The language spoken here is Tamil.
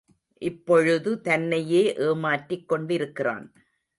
இப்பொழுது தன்னையே ஏமாற்றிக் கொண்டிருக்கிறான்.